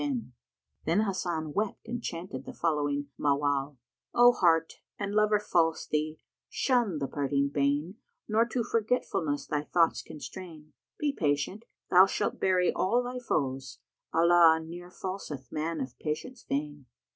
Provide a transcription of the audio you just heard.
[FN#134]" Then Hasan wept and chanted the following Mawwál,[FN#135] "O heart, an lover false thee, shun the parting bane * Nor to forgetfulness thy thoughts constrain: Be patient; thou shalt bury all thy foes; * Allah ne'er falseth man of patience fain."